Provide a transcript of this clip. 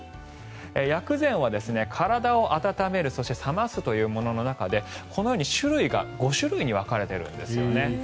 薬膳は体を温めるそして冷ますというものの中でこのように種類が５種類に分かれているんですよね。